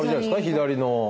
左の。